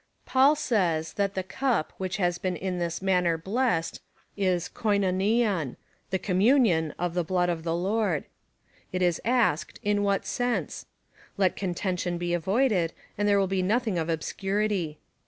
Paul says, that the cup which has been in this manner 6Ze5sec2 is KOLvwvLav — the communion of the blood of the Lord, It is asked, in what sense ? Let contention be avoided, and there will be nothing of obscurity.